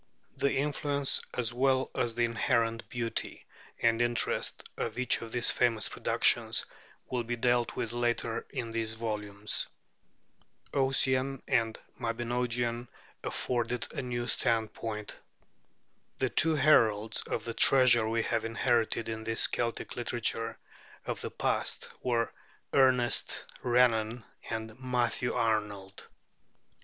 The influence, as well as the inherent beauty and interest, of each of these famous productions will be dealt with later in these volumes. 'Ossian' and the 'Mabinogion' afforded a new standpoint. The two heralds of the treasure we have inherited in this Celtic literature of the past were Ernest Renan and Matthew Arnold.